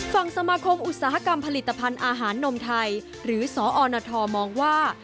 ฝั่งสมาคมอุตสาหกรรมผลิตภัณฑ์อาหารนมไทยหรือสอนทมองว่า